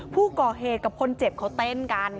ผู้ก่อเหตุกับคนเจ็บเขาเต้นกัน